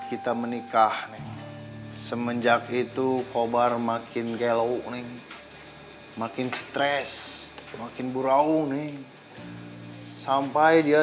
hai kita menikah semenjak itu kobar makin gelo neng makin stres makin burau neng sampai dia